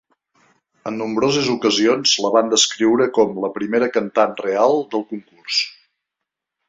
En nombroses ocasions la van descriure com "la primera cantant" real "del concurs".